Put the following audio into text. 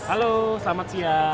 halo selamat siang